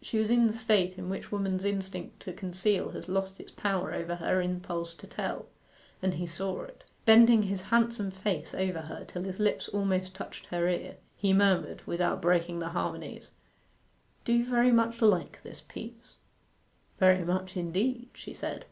She was in the state in which woman's instinct to conceal has lost its power over her impulse to tell; and he saw it. Bending his handsome face over her till his lips almost touched her ear, he murmured, without breaking the harmonies 'Do you very much like this piece?' 'Very much indeed,' she said.